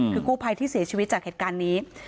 คือกู้ภัยที่เสียชีวิตจากเหตุการณ์นี้